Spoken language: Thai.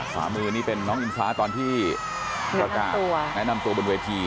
ขวามือนี่เป็นน้องอิงฟ้าตอนที่ประกาศแนะนำตัวบนเวที